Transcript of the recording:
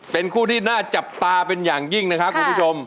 เป็นคู่ที่น่าจับตาเป็นอย่างยิ่งนะครับคุณผู้ชม